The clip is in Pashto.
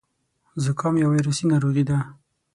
زکام يو وايرسي ناروغي ده.